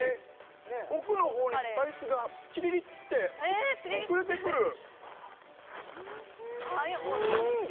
奥の方にスパイスがチリリって遅れてくるおいしいうん！